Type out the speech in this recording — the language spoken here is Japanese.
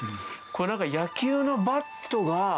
これなんか、野球のバットが。